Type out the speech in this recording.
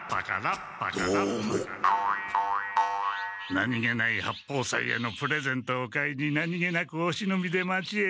何気ない八方斎へのプレゼントを買いに何気なくおしのびで町へ行こう。